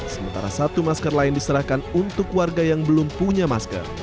sementara satu masker lain diserahkan untuk warga yang belum punya masker